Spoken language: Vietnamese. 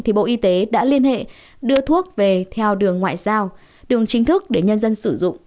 thì bộ y tế đã liên hệ đưa thuốc về theo đường ngoại giao đường chính thức để nhân dân sử dụng